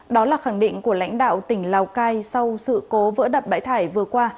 đó là khẳng định của lãnh đạo tỉnh lào cai sau sự cố vỡ đập bãi thải vừa qua